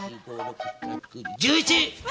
１１！